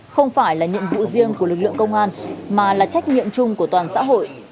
không phải là nhiệm vụ riêng của lực lượng công an mà là trách nhiệm chung của toàn xã hội